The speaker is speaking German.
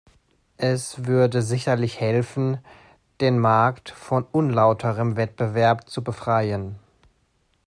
Es würde sicherlich helfen, den Markt von unlauterem Wettbewerb zu befreien.